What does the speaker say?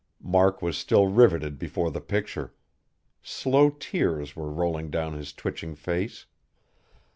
Mark was still riveted before the picture. Slow tears were rolling down his twitching face.